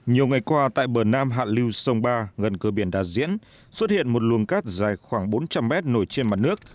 nhiều ngày qua tại bờ nam hạ lưu sông ba gần cửa biển đà diễn xuất hiện một luồng cát dài khoảng bốn trăm linh mét nổi trên mặt nước